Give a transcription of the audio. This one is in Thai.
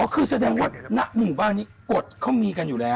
คือแสดงว่าณหมู่บ้านนี้กฎเขามีกันอยู่แล้ว